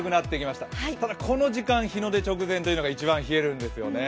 ただこの時間、日の出直前というのが一番冷えるんですよね。